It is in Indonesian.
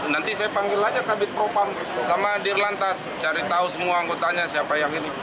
nanti saya panggil aja kabit propam sama dirlantas cari tahu semua anggotanya siapa yang ini